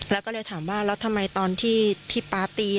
แล้วก็เลยถามว่าแล้วทำไมตอนที่ป๊าตี